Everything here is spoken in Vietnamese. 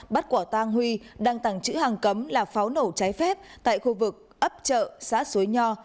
bắt quả tang huy đang tàng trữ hàng cấm là pháo nổ cháy phép tại khu vực ấp chợ xã suối nho